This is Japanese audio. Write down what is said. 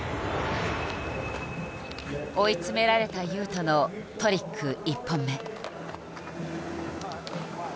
追い詰められた雄斗のトリック１本目。